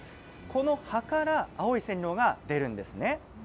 この葉から青い染料が出るんですね。